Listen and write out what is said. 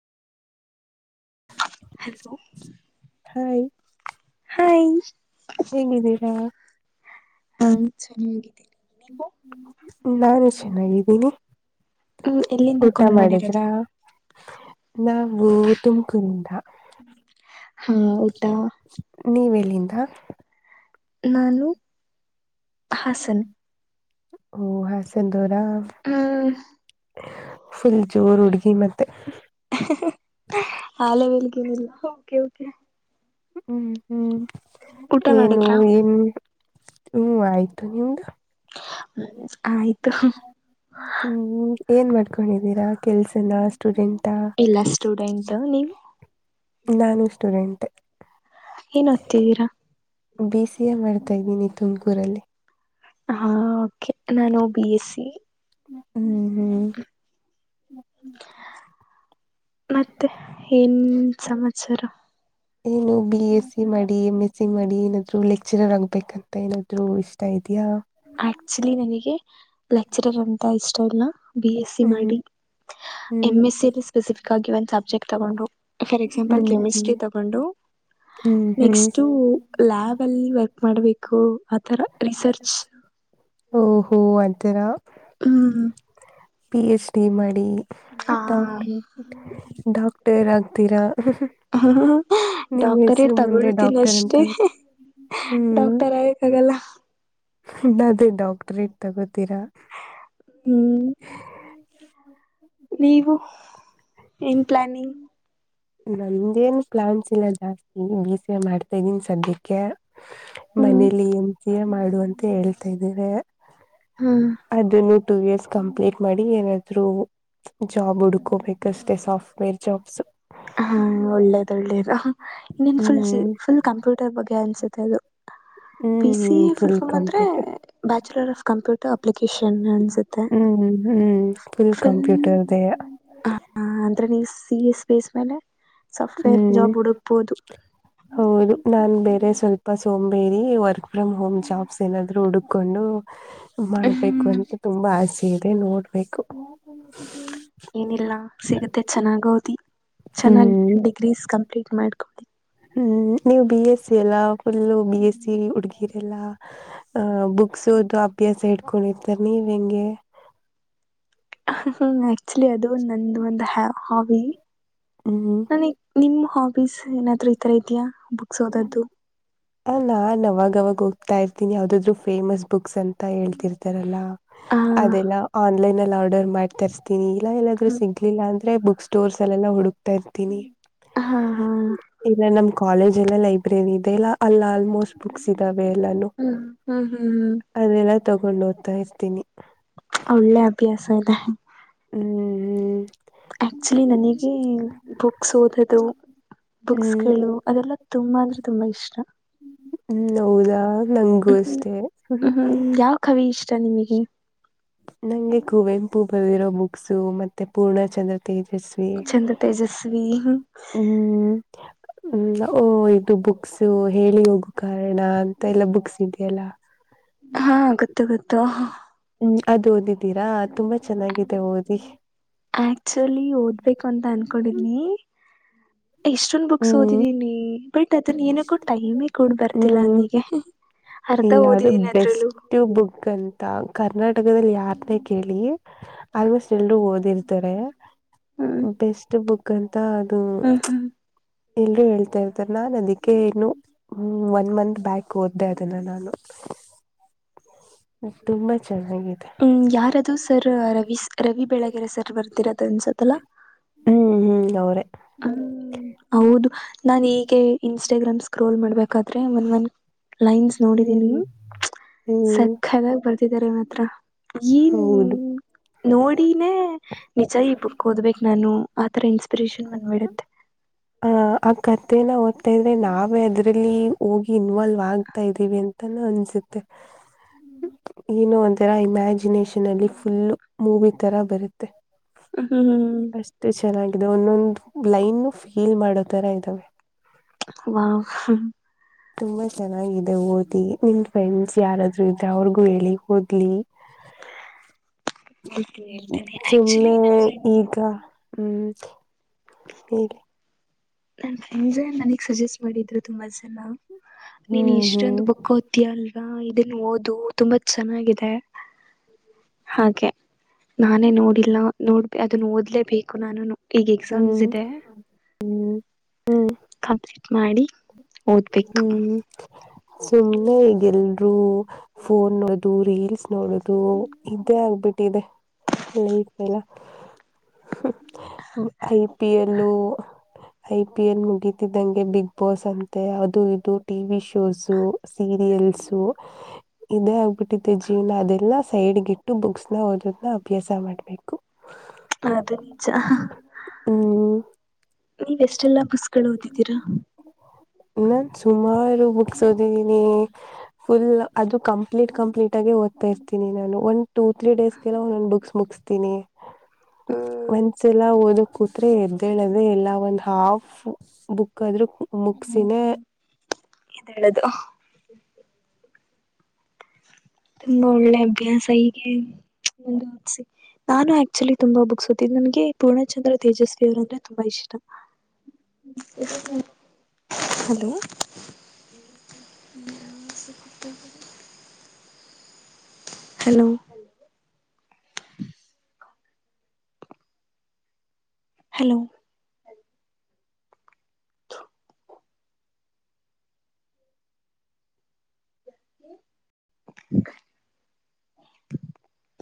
hello ಾಯ [unintelligible] ಹ ಹೇಗಿದ್ದೀರಾ ಹಾ ಚೆನ್ನಾಗಿದ್ದೇನನೆ ನಾನು ಚೆನ್ನಾಗಿದ್ದೀನಿ ಹ್ಮ್ ಎಲ್ಲಿಂದ ಊಟ ಕಾಲ್ ಮಾಡಿದ್ರ ಮಾಡಿರೋದು ನಾವು ತುಮಕೂರಿಂದ ಹಾ ಊದಾ ನೀವೆಲ್ಲಿಂದ ನಾನು ಹಾಸನ ಓ ಹಾಸ ದೋರ ಹ್ಮ್ ುಲ್ ಜೋರ ಉಡು ಶೀ ಮತ್ತೆ ಹಾಲ ಬಲ್ಗೇನಿಲ್ಲ ಹ್ಮ್ ಹ್ಮ್ ಊಟ ಏನು ಮಾಡಿದ್ರಾ ಏನ್ ಹ್ಮ್ ಆಯ್ತು ನಿಮ್ದು ಆಯ್ತು ಹ್ಮ್ ಏನ್ ಮಾಡ್ಕೊಂಡಿದ್ದೀರಾ ಕೆಲ್ಸನ ಸ್ಟೂಡೆಂಟ್ ಎಲ್ಲಾ ಸ್ಟೂಡೆಂಟ್ ನೀವು ನಾಾನು ಇಷ್ಟ್ಟುರೆಂಟ್ ಏನ್ ಹೊ್ತಿದ್ದೀರಾ ಬಿ ಸಿ ಎ ಮಾಡ್ತಾ ಇದ್ದೀನಿ ತುಮಕೂರಲ್ಲಿ ಹಾ ೆ ನಾನು ಬಿ ಎಸ್ ಸಿ ಹ್ಮ್ ಹ್ಮ್ ಮತ್ತೆ ಏನ್ ಸಂಸಾರ ಏನು ಬಿ ಎಸ್ ಸಿ ಮಾಡಿ ಎಮ್ ಎಸ್ ಸಿ ಮಾಡಿ ಏನಾದ್ರು ಲೆಕ್ಚರರ್ ಆಗ್ಬೇಕಂತ ಏನಾದ್ರು ಇಷ್ಟ ಆದೆ ಎ ಆಕ್ಚುಲಿ ನನಗೆ ಲೆಕ್ಚರರ್ ಅಂತ ಇಷ್ಟ ಇಲ್ಲ ಬಿ ಎಸ್ಸ ಹ್ಮ್ ಮಾಡಿ ಎಮ್ ಹ್ಮ್ ಎಸ್ಸ ಸ್ಪೆಸಿಫಿಕ್ ಆಗಿ ಒಂದ್ ಸಬ್ಜೆಕ್ಟ್ ತಗೊಂಡು ಫಾರ್ ಎಕ್ಸಾಂಪಲ್ ಹ್ಮ್ ಕೆಮಿಸ್ಟ್ರಿ ತಗೊಂಡು ಹ್ಮ್ ಹ್ಮ್ ಹ್ಮ್ ನೆಕ್ಸ್ಟ ಲ್ಯಾಬ್ ಅಲ್ಲಿ ವರ್ಕ್ ಮಾಡ್ಬೇಕು ಆಥರ ರಿಸರ್ಚ್ ಓಹೋ ಅಂತರಾ ಹ್ಮ್ ಪಿ ಎಚ್ ಡಿ ಮಾಡಿ ಹಾ ಡಾಕ್ಟ ಡಾಕ್ಟರ್ ಆಗ್ತೀರಾ ಹ್ಮ ನಿಮ್ ಹೆಸರು ಡಾಕ್ಟರೇಟ್ ಮುಂದೆ ತಗೊಳ್ತೀನಿ ಡಾಕ್ಟರ್ ಅಂತ ಅಷ್ಟೆ ಹ್ಮ್ ಡಾಕ್ಟರ್ ಆಗಕ್ ಆಗಲ್ಲ ಅದೇ ಡಾಕ್ಟ್ರೇಟ್ ತಗೋತೀರಾ ಹ್ಮ್ ನೀವು ಏನ್ ಪ್ಲಾನಿಂಗ್ ನಮ್ದೇನ್ ಪ್ಲಾನ್ಸ್ ಇಲ್ಲ ಜಾಸ್ತಿ ಬ ಸಿ ಮಾಡ್ತಾ ಇದೀನಿ ಸದ್ಯಕ್ಕೆ ಹ್ಮ್ ಮನೇಲಿ ಎಮ ಮಾಡುವ ಅಂತ ಹೇಳ್ತಾ ಇದ್ದೇವೆ ಹ್ಮ್ ಅದನ್ನು ಟೂ ಇಯರ್ಸ್ ಕಂಪ್ಲೀಟ್ ಮಾಡಿ ಏನಾದ್ರು ಜಾಬ್ ಉಡುಕೋ ಮೇಕಷ್ಟೇ ಸಾಫ್ಟ್ವೇರ್ ಜಾಬ್ಸ್ ಹಾ ಒಳ್ಳೇದು ಒಳ್ಳೇದು ಇನ್ನೇನ್ ಫುಲ್ ಹ್ಮ್ ಫುಲ್ ಕಂಪ್ಯೂಟರ್ ಬಗ್ಗೆ ಅನ್ಸುತ್ತೆ ಅದು [inaudible] ಬಿ ಸಿ ಹ್ಮ್ ಎ ಫುಲ್ ಫುಲ್ಫಾರ್ ಅಂದ್ರೆ complete bachelor of computer application ಅನ್ಸುತ್ತೆ ಹ್ಮ್ ಹ್ಮ್ ಫುಲ್ ಕಂಪ್ಯೂಟರ್ದೆ ಅಂದ್ರೆ ನೀವು ಸಿ ಎ ಸ್ಪೇಸ್ ಮೇಲೆ ಸಾಫ್ಟ್ವೇರ್ ಹ್ಮ್ ಜಾಬ್ ಹುಡುಕ್ಬೋದು ಹೌದು ನಾು ಬೇರೆ ಸ್ವಲ್ಪ ಸೋಂಬೇರಿ ವರ್ಕ್ ಫ್ರಮ್ ಹೋಮ್ ಜಾಬ್ಸ್ ಏನಾದ್ೂ ಹುಡುಕೊಂಡು ಮಾಡ್ಬೇಕು ಅಂತ ತುಂಬಾ ಆಸೆ ಇದೆ ನೋಡ್ಬೇಕು ಏನಿಲ್ಲ ಸಿಗತ್ತೆ ಚೆನ್ನಾಗೋದಿ ಚೆನ್ನಾಗ್ ಹ್ಮ್ ಡಿಗ್ರೀಸ್ ಕಂಪ್ಲೀಟ್ ಮಾಡ್ಕೊಳ್ಳಿ ಹ್ಮ್ ನೀವು ಬಿ ಎಸ್ ಸಿ ಎಲ್ಲಾ ಫುಲ್ಲ ಬಿ ಎಸ್ ಸಿ ಹುಡ್ಗಿರೆಲ್ಲಾ ಮುಗ್ಸೋುದು ಅಭ್ಯಾಸ ಇಡ್ಕೊಂಡಿರ್ತರ್ ನೀವ್ ಹೆಂಗೆ [inaudible] ಹ್ಮ್ ಆಕ್ಚುಲಿ ಅದು ನಂದು ಒಂದು ಹಾವಿ ಹ್ಮ್ ನಾನಗ್ ನಿಮ್ ಹಾಬೀಸ್ ಏನಾದ್ೂ ಈತರ ಇದೆಯಾ ಬುಕ್ಸ್ ಓದದ್ದು ಹ ನಾನ್ ಅವಾಗವಾಗ ಹೋಗ್ತಾ ಇರ್ತೀನಿ ಯಾವ್ದಾದ್ರು ಫೇಮಸ್ ಬುಕ್ಸ್ ಅಂತ ಹೇಳ್ತಿರ್ತಾರಲ್ಲಾ ಹ ಅದೆಲ್ಲಾ ಆನ್ಲೈನ್ ಅಲ್ಲಿ ಆರ್ಡರ್ ಮಾಡಿ ತರಿಸಸ್ತೀನಿ ಇಲ್ಲಾ ಎಲ್ಲಾದ್ರೂ ಸಿಗ್ಲಿಲ್ಲ ಅ ಬುಕ್ ಸ್ಟೋರ್ಸ್ ಅಲ್ಲಲ್ಲ ಹುಡುಕ್ತಾ ಇರ್ತನಿ ಹಾ ಹಾ ಹ್ಮ್ ಇಗ ನಮ ಕಾಲೇಜ್ ಎಲ್ಲ ಲೈಬ್ರರಿ ಇದೆ ಎಲ್ಲ ಅಲ್ಲ ಆಲ್ಮೋಸ್ಟ್ ಬುಕ್ಸ್ ಇದಾವ ಲ್ಲಾನ ಹ್ಮ್ ಹ್ಮ್ ಹ್ಮ್ ಅದೆೆಲ್ಲ ತಗೊಂಡು ಓ್ತಾ ಇರ್ತೀನಿ ಒಳ್ಳೆ ಅಭ್ಯಾಸ ಇದೆ ಹ್ಮ್ ಆಕ್ಚುಲಿ ನನಗೆ ಬುಕ್ಸ್ ಓದದು ಬುಕ್ಸ್ ಹ್ಮ್ ಗಳು ಅದೆಲ್ಲಾ ತುಂಬಾ ಅಂದ್ರೆ ತುಂಬಾ ಇಷ್ಟ ಹ್ಮ್ ಹೌದಾ ನಗೂ ಅಷ್ಟೆ ಜಿಮಗೆ ನಂಗೆ ಕುವೆಂಪು ಬವಿರೋ ಬುಕ್ಸು ಮತ್ತೆ ಪೂರ್ಣ ಚಂದ್ರ ತಜಸ್ವೀ ಚಂದ ತೇಜಸ್ವಿ ಹ್ಮ್ ಹ್ಮ ಓ ಇದು ಬುಕ್ಸ್ ಹೇಳಿ ಹೋಗು ಕಾರಣ ಅಂತ ಎಲ್ಲಾ ಬುಕ್ಸ್ ಇದೆಯಲ್ಲಾ ಹಾ ಗೊತ್ತು ಗೊತ್ತು ಹ್ಮ ಅದ್ ಓದಿದ್ದೀರಾ ತುಂಬಾ ಚೆನ್ನಾಗಿದೆ ಓದಿ ಆಕ್ಚುಲಿ ಓದ್ಬೇಕು ಅಂತ ಅನ್ಕೊಂಡಿದನಿ ಎಷ್ಟೊಂದ್ ಬುಕ್ಸ್ ಹ್ಮ್ ಓದಿದೀನಿ ಬಟ್ ಅದನ್ ಏನಕ್ಕೂ ಟೈಮೇ ಕೊಡ್ ಬರ್ತಿಲ್ಲ ಹ್ಮ್ ನನಗೆ ಅರ್ಧ ಇಲ್ಲ ಅದು ಓದಿದೀನಿ ಅದ್ರಲ್ಲೂ ಬೆಸ್ಟ್ ಬುಕ್ ಅಂತ ಕರ್ನಾಟಕದಲ್ಲಿ ಯಾರನ್ನೇ ಕೇಳಿ ಆಲ್ಮೋಸ್ಟ್ ಎಲ್ರೂ ಓದಿರ್ತಾರೆ ಹ್ಮ್ ಬೆಸ್ಟ್ ಬುಕ್ ಅಂತ ಅದು ಹ್ಮ್ ಹ್ಮ್ ಎಲ್ರೂ ಹೇಳ್ತಾರ್ತಾರೆ ನಾನ್ ಅದಕ್ಕೆ ಇನ್ನುನು ಒನ್ ಮಂತ್ ಬ್ಯಾಕ್ ಓದ್ದ ಅದನ ನಾನು [unintelligible] ತುಂಬಾ ಚೆನ್ನಾಗಿದೆ ಹ್ಮ್ ಯಾರದು sir Ravi sir Ravi Belagere sir ಬರ್ತಿರೋದ ಅನ್ಸತ್ತಲ ಹ್ಮ್ ಹ್ಮ್ ಅವರೇ ಹ್ಮ್ ಹೌದು ನಾನ್ ಹೀಗೆ ಇನ್ಸ್ಟಾಗ್ರಾಮ್ ಸ್ಕ್ರೋಲ್ ಮಾಡ್ಬೇಕಾದ್ರೆ ಒನ್ ಒನ್ ಲೈನ್ಸ್ ನೋಡಿದೀ ಹ್ಮ್ ನೀವು ಹ್ಮ್ ಸಕ್ಕದಾಗ ಬರ್ತಿದಿದ್ದಾರೆ ಇಮ್ಮ ಹತ್ರ ಈ ಹೌದು ನೋಡಿನೇ ನಿಜ ಬುಕ್ ಓದ್ಬೇಕಕ್ ನಾನು ಆತರ ಇನ್ಸ್ಪ ಹ ಆಗತ್ ಮತ್ತೇನ ಓದ್ತಾ ಇದ್ರೆ ನಾವೇ ಅದ್ರಲ್ಲಿ ಹೋಗಿ ಇನ್ವಾಲ್ವ್ ಆಗ್ತಾ ಇದೀವಿ ಅಂತ ಅಲ್ಲಿ ಅಂಜುತ್ತೆ ಏನೋ ಒಥರ ಇಮ್ಯಾಜಿನೇಷನ್ ಅಲ್ಲಿ ಫುಲ್ ಮೂವಿ ತರ ಬರುತ್ತೆ ಹ್ಮ್ ಅಷ್ಟೇ ಚೆನ್ನಾಗಿ ಇನ್ನೊಂದು ಲೈನ್ ಫೀಲ್ ಮಾಡೋ ತರ ಇದ್ದಾವೆ ವಾ ತುಂಬಾ ಚೆನ್ನಾಗಿದೆ ಓದಿ ನಿಮ ಫ್ರೆಂಡ್ಸ್ ಯಾರಾದ್ರರು ಇದ್ರೆ ಅವ್ರಿಗೂ ಹೇಳಿ ಓದ್ಲಿ ಅದಕ್ಕೆ ಹೇಳ್ತೇನೆ ಆಕ್ಚುಲಿ ನನ್ನ ಸುಮ್ಮನೆ ಫ್ರೆಂಡ್ಸ್ ಈಗ ಹ್ಮ್ ಹ್ಮ ನನ್ ಫ್ರೆಂಡ್ ನನಗ್ ಸಜೆಸ್ಟ್ ಮಾಡಿದ್ರು ತುಂಬಾ ಜನ ನೀನ್ ಹ್ಮ್ ಇಷ್ಟೊಂದು ಹ್ಮ್ ಬುಕ್ ್ತಿಯಲ್ ಇದನ್ನು ಓದು ತುಂಬಾ ಚೆನ್ನಾಗಿದೆ ಹಾಗೆ ನಾನೇ ನೋಡಿಲ್ಲ ನೋಡ್ಬ ಅದ ಓದ್ಲೇಬೇಕು ನಾನುನು ಈಗ ಹ್ಮ್ ಎಕ್ಸಾಮ್ಸಿದೆ ಹ್ಮ್ ಹ್ಮ್ ಕಂಪ್ಲೀಟ್ ಮಾಡಿ ಓದಬೇಕು ಹ್ಮ್ ಸುಮ್ಮ್ನೆ ಈಗೆಲ್ರು ಫೋನ್ ಅದರಿ ನೋಡುದು ಇದೇ ಆಗ್ಬಿಟ್ಟಿದೆ ಲೈಫ್ ಎಲ್ಲ [unintelligible] I P L I P L ಮುಗಿತಿದ್ದಂಗೆ ಬಿಗ್ ಬೋಸ್ ಅಂತೆ ಅದು ಇದು ಟಿ ವಿ ಶೋಸು ಸೀರಿಯಲ್ಸು ಇದೇ ಆಗ್ಬಿಟ್ಟಿದೆ ಜೀವನ ಅದೆಲ್ಲ ಸೈಡ್ಗೆ ಇಟ್ಟು ಬುಕ್ಸ್ ನ ಓದದನ್ನ ಅಭ್ಯಾಸ ಮಾಡ್ಬೇಕು ಅದು ನಿಜ ಹ್ಮ ನೀವೆಷ್ಟೆಲ್ಲ ಬುಕ್ಸ್ಗಳು ಓದಿದ್ದೀರಾ ಇನ್ನ ಸುಮಾರು ಬುಕ್ಸ್ ಓದಿದೀನಿ ಫುಲ್ ಅದು ಕಂಪ್ ಕಂಪ್ಲೀಟ್ ಕಂಪ್ಲೀಟ್ ಆಗಿ ಹದ್ತಾ ಇರ್ತನಿ ನಾನು ಒನ್ ಟೂ ತ್ರೀ ಡೇಸ್ಗೆಲ್ಲ ಒಂದು ಬುಕ್ ಮುಗ್ಸ್ತಿನಿ ಒಂದ್ಸ ಸಲ ಓದಕ್ಕೆ ಕೂತ್ರೆೆ ಎದ್ದೇಲೋದೇ ಇಲ್ಲ ಒಂದ್ ಹಾಫ್ ಬುಕ್ ಆದ್ರೂ ಹ್ಮ್ ಮುಗಿಸಿನೆ [inaudible] ತುಂಬಾ ಒಳ್ಳೆ ಅಭ್ಯಾಸ ಹೀಗೆ ಒಂದುಸ ನಾನು ಆಕ್ಚುಲಿ ತುಂಬಾ ಬುಕ್ಸ್ ಓಡಿದೀನಿ ನನ್ಗೆ ಪೂರ್ಣಚಂದ್ರ ತೇಜಸ್ವಿ ಅವರ ಅಂದ್ರೆ ತುಂಬಾ ಇಷ್ಟ ಹಲೋ ಎಸ ಕೊಟ್ಟ [inaudible] ಹಲೋ ಹಲೋ [inaudible]